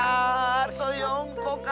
あと４こか。